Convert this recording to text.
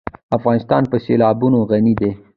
افغانستان په سیلابونه غني دی.